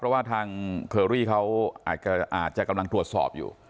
เพราะว่าทางเคอรี่เขาอาจจะกำลังตรวจสอบอยู่